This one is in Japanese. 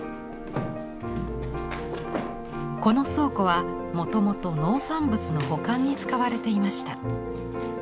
この倉庫はもともと農産物の保管に使われていました。